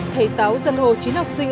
thầy giáo dâm hồ chín học sinh